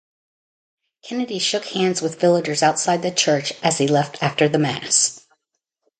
Kennedy shook hands with villagers outside the church as he left after the mass.